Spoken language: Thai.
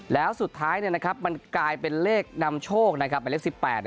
แล้วสุดท้ายนะครับมันกลายเป็นเลขนำโชคนะครับเป็นเลขสิบแปด